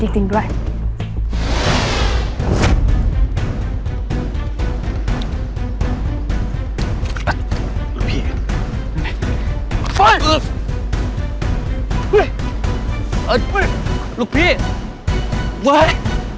ฉันจะตัดพ่อตัดลูกกับแกเลย